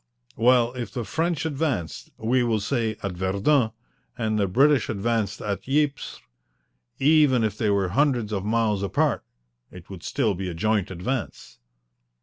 "Well, if the French advanced, we will say, at Verdun, and the British advanced at Ypres, even if they were hundreds of miles apart it would still be a joint advance."